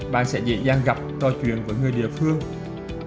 bạn sẽ dễ dàng gặp trò chuyện với người địa phương